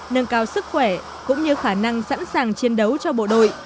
nâng cao sức khỏe cũng như khả năng sẵn sàng chiến đấu cho bộ đội